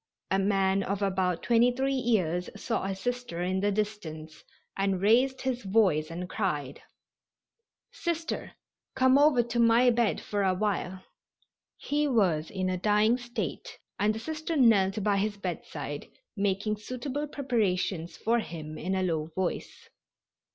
A man of about 23 years saw a Sister in the distance and raised his voice and cried: "Sister, come over to my bed for awhile." He was in a dying state, and the Sister knelt by his bedside making suitable preparations for him in a low voice.